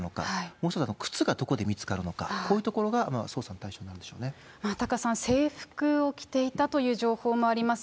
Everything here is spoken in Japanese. もう一つ靴がどこで見つかるのか、こういうところが捜査の対象になタカさん、制服を着ていたということ情報もあります。